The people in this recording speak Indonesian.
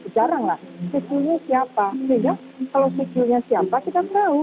jaranglah secunya siapa sehingga kalau secunya siapa kita tahu